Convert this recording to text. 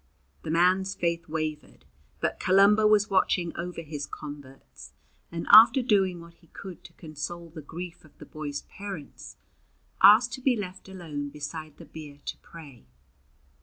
The man's faith wavered, but Columba was watching over his converts; and after doing what he could to console the grief of the boy's parents, asked to be left alone beside the bier to pray.